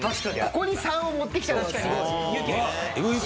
ここに３を持ってきたのがすごい。